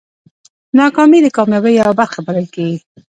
ناکامي د کامیابۍ یوه برخه بلل کېږي.